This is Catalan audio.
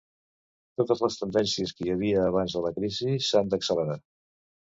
Totes les tendències que hi havia abans de la crisi s’han d’accelerar.